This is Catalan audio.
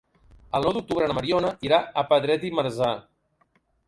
El nou d'octubre na Mariona irà a Pedret i Marzà.